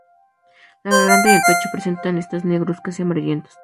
La garganta y el pecho presentan listas negruzcas y amarillentas.